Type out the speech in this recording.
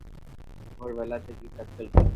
ভোরবেলা থেকে কাজ চলত।